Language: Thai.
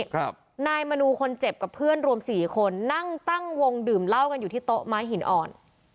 ครับนายมนูคนเจ็บกับเพื่อนรวมสี่คนนั่งตั้งวงดื่มเหล้ากันอยู่ที่โต๊ะไม้หินอ่อน